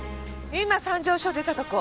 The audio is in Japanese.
今三条署を出たところ。